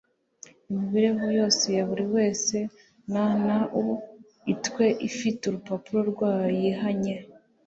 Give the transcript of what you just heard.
imibereho yose ya buri wese nnu-i twe ifite urupapuro rwayo yihanye.